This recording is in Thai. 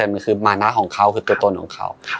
มันคือมานะของเขาคือตัวตนของเขา